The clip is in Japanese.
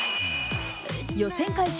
予選開始